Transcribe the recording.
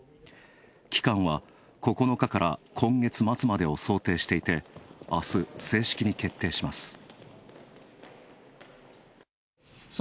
期間は９日から今月末までを想定していてあす、正式に決定します。